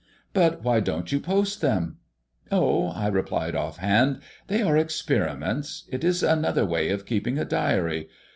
"But why don't you post them?" "Oh," I replied offhand, "they are experiments. It is another way of keeping a diary.